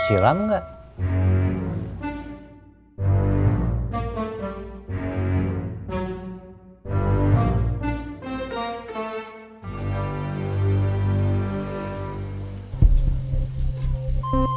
si ilham udah dateng